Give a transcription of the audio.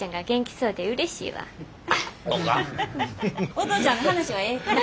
お父ちゃんの話はええから。